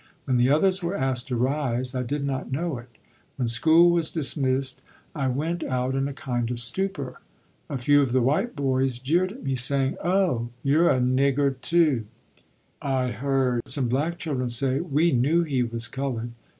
When the others were asked to rise, I did not know it. When school was dismissed, I went out in a kind of stupor. A few of the white boys jeered me, saying: "Oh, you're a nigger too." I heard some black children say: "We knew he was colored."